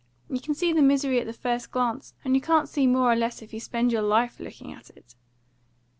You can see the misery at the first glance, and you can't see more or less if you spend your life looking at it."